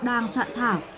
đang soạn thảo